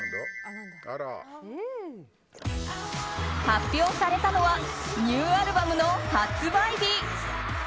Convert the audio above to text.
発表されたのはニューアルバムの発売日。